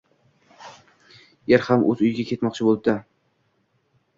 Er ham o‘z uyiga ketmoqchi bo‘libdi.